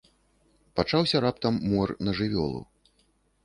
Пачаўся раптам мор на жывёлу.